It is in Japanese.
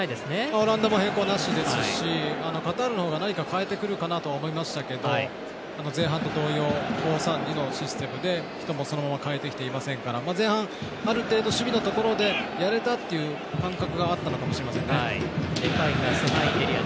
オランダも変更なしですしカタールのほうが何か変えてくるかなとは思いましたけど前半と同様５‐３‐２のシステムで人もそのまま代えてきていませんから前半、ある程度守備のところでやれたという感覚があったのかもしれないですね。